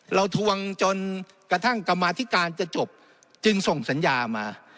ทวงจนกระทั่งกรรมาธิการจะจบจึงส่งสัญญามา